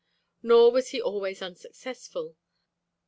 Nor was he always unsuccessful.